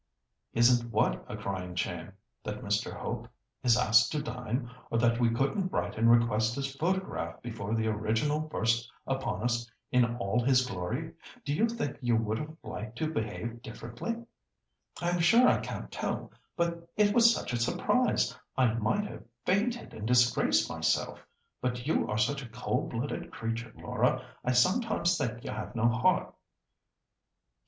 "Isn't what a crying shame? That Mr. Hope is asked to dine, or that we couldn't write and request his photograph before the original burst upon us in all his glory? Do you think you would have liked to behave differently?" "I am sure I can't tell. But it was such a surprise. I might have fainted and disgraced myself. But you are such a cold blooded creature, Laura; I sometimes think you have no heart."